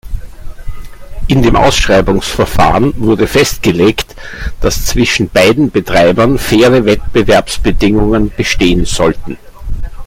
In dem Ausschreibungsverfahren wurde festgelegt, dass zwischen beiden Betreibern faire Wettbewerbsbedingungen bestehen sollten.